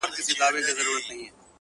غړوي سترګي چي ویښ وي پر هر لوري -